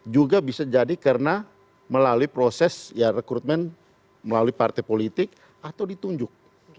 juga bisa jadi karena melalui proses rekrutmen melalui partai politik atau ditunjuk